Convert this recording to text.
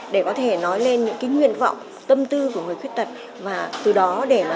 để có thể nói lên những cái nguyện vọng tâm tư của người khuyết tật và từ đó để là giúp cho cộng đồng hiểu là